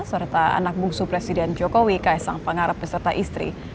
serta anak bungsu presiden jokowi kaisang pangarap beserta istri